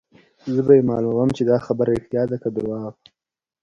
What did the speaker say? زه به يې معلوموم چې دا خبره ريښتیا ده که درواغ.